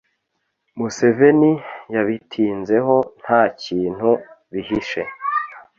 museveni yabitinzeho nta kintu bihishe.